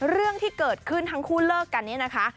เรื่องที่เกิดขึ้นทั้งคู่เลิกกันเนี่ยนะคะ